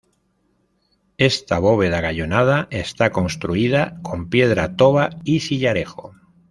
Esta bóveda gallonada está construida con piedra toba y sillarejo.